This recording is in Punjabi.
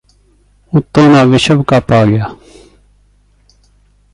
ਉਤੋਂ ਦਾ ਵਿਸ਼ਵ ਕੱਪ ਆ ਗਿਆ